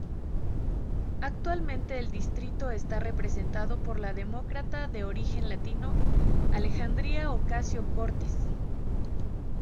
Actualmente el distrito está representado por la demócrata de origen latino Alexandria Ocasio-Cortez.